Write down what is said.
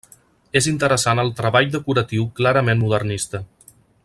És interessant el treball decoratiu clarament modernista.